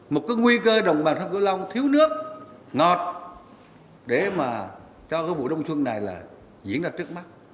một cái nguy cơ đồng bằng sông cửu long thiếu nước ngọt để mà cho cái vụ đông xuân này là diễn ra trước mắt